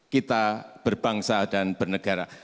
kita berbangsa dan bernegara